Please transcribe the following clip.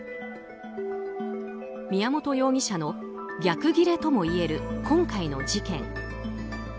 宮本容疑者の逆ギレともいえる今回の事件。